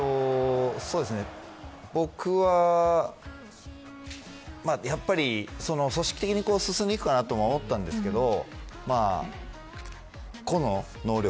僕は、やっぱり組織的に進んでいくかなと思ったんですけど個の能力